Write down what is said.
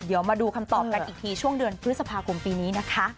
เดี๋ยวมาดูคำตอบกันอีกทีช่วงเดือนพฤษภาคมปีนี้นะคะ